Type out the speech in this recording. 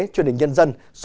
truyền hình nhân dân